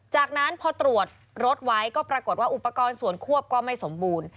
จากนั้นพอตรวจรถไว้ก็ปรากฏว่าอุปกรณ์ส่วนควบก็ไม่สมบูรณ์